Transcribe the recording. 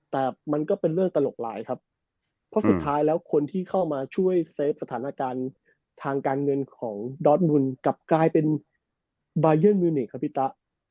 แต่มันก็เป็นเรื่องตลกหลายครับเพราะสุดท้ายแล้วคนที่เข้ามาช่วยเซฟสถานการณ์ทางการเงินของดอสมุนกลับกลายเป็นบายันมิวนิกครับพี่ตะ